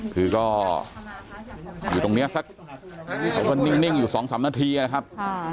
คือก็อยู่ตรงเนี้ยสักนิ่งอยู่สองสามนาทีนะครับ